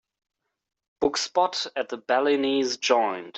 book spot at a balinese joint